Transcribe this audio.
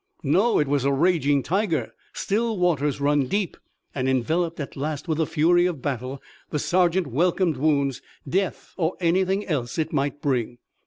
No, it was a raging tiger. Still waters run deep, and, enveloped, at last, with the fury of battle the sergeant welcomed wounds, death or anything else it might bring.